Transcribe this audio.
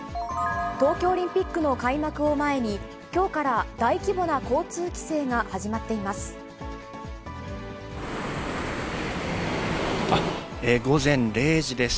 東京オリンピックの開幕を前に、きょうから大規模な交通規制が始まっています。